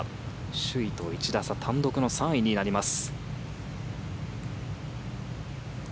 首位と１打差単独の３位になります。